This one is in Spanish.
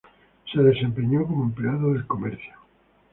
Se desempeñó como empleado del comercio.